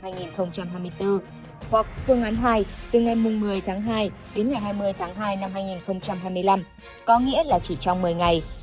hoặc phương án hai từ ngày một mươi tháng hai đến ngày hai mươi tháng hai năm hai nghìn hai mươi năm có nghĩa là chỉ trong một mươi ngày